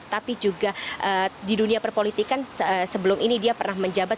tapi juga di dunia perpolitikan sebelum ini dia pernah menjabat